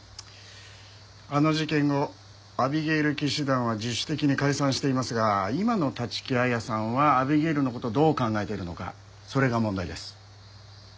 あの事件後アビゲイル騎士団は自主的に解散していますが今の立木彩さんはアビゲイルの事どう考えているのかそれが問題です。